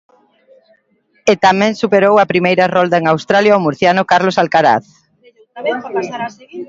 E tamén superou a primeira rolda en Australia o murciano Carlos Alcaraz.